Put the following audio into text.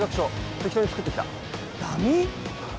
適当に作ってきたダミー？